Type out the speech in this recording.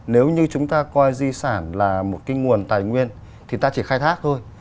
nếu như chúng ta coi di sản là một cái nguồn tài nguyên thì ta chỉ khai thác thôi